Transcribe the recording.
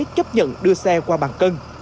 chứng nhận đưa xe qua bàn cân